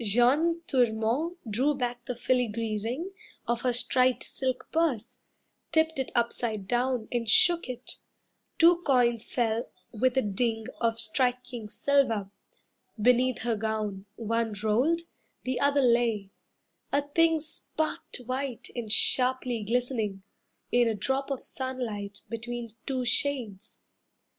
Jeanne Tourmont drew back the filigree ring Of her striped silk purse, tipped it upside down And shook it, two coins fell with a ding Of striking silver, beneath her gown One rolled, the other lay, a thing Sparked white and sharply glistening, In a drop of sunlight between two shades.